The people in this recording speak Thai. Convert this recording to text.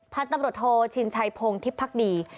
พันธุ์ตำรวจโทชินชัยพงศ์ทิพย์ภักดี